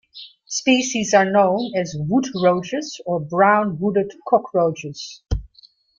Species are known as wood roaches or brown-hooded cockroaches.